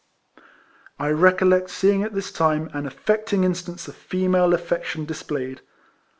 I recollect seeing at this time an affecting instance of female affection displayed.